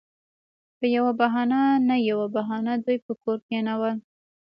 پـه يـوه بهـانـه نـه يـوه بهـانـه دوي پـه کـور کېـنول.